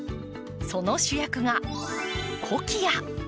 その主役がコキア。